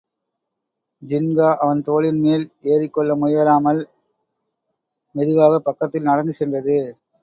ஜின்கா அவன் தோளின்மேல் ஏறிக்கொள்ள முயலாமல் மெதுவாகப் பக்கத்தில் நடந்து சென்றது.